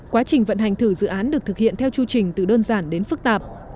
quá trình vận hành thử dự án được thực hiện theo chưu trình từ đơn giản đến phức tạp